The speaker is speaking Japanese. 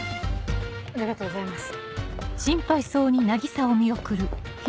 ありがとうございます。